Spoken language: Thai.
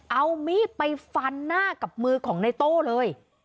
เอามีดไปฟันหน้ากับมือของในโต้เลย